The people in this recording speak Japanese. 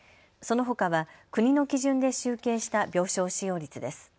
そのほかは国の基準で集計した病床使用率です。